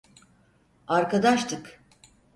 Arkadaştık.